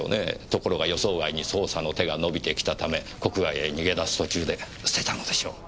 ところが予想外に捜査の手が伸びてきたため国外へ逃げ出す途中で捨てたのでしょう。